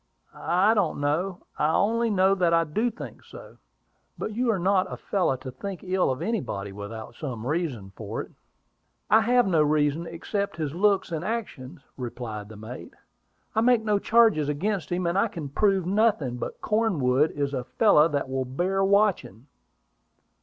"I don't know; I only know that I do think so." "But you are not a fellow to think ill of anybody without some reason for it." "I have no reason, except his looks and actions," replied the mate. "I make no charges against him, and I can prove nothing; but Cornwood is a fellow that will bear watching."